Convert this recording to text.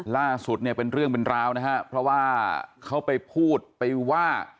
ล่าสุดเนี่ยเป็นเรื่องเป็นราวนะฮะเพราะว่าเขาไปพูดไปว่า